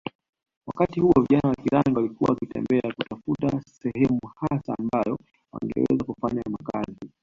wakati huo vijana wa Kirangi walikuwa wakitembea kutafuta sehemu hasa ambayo wangeweza kufanya makazi